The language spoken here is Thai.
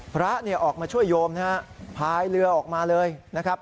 พระออกมาช่วยโยมนะฮะพายเรือออกมาเลยนะครับ